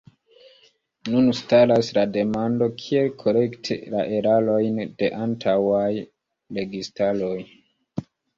Nun staras la demando kiel korekti la erarojn de antaŭaj registaroj.